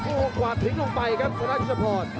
โอ้กวาดทิ้งลงไปครับสนุกยุทธพร